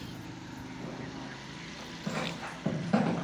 To shun him would be cruelty and would belie his trust in human fidelity.